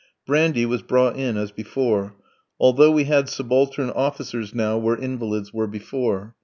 Brandy was brought in as before, although we had subaltern officers now where "invalids" were before.